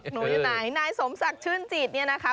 หนูอยู่ไหนนายสมศักดิ์ชื่นจิตเนี่ยนะคะ